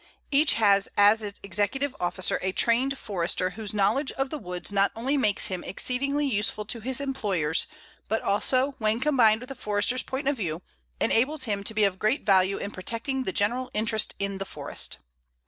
Each has as its executive officer a trained Forester whose knowledge of the woods not only makes him exceedingly useful to his employers, but also, when combined with the Forester's point of view, enables him to be of great value in protecting the general interest in the forest.